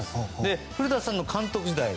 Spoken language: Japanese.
古田さんの監督時代